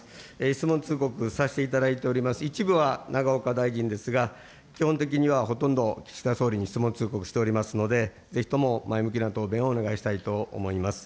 質問通告させていただいております、一部は永岡大臣ですが、基本的にはほとんど岸田総理に質問通告しぜひとも前向きな答弁をお願いしたいと思います。